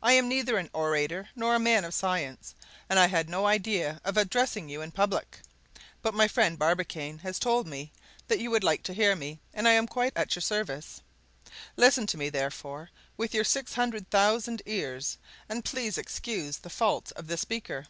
I am neither an orator nor a man of science, and I had no idea of addressing you in public; but my friend Barbicane has told me that you would like to hear me, and I am quite at your service. Listen to me, therefore, with your six hundred thousand ears, and please excuse the faults of the speaker.